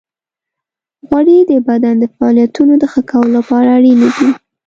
غوړې د بدن د فعالیتونو د ښه کولو لپاره اړینې دي.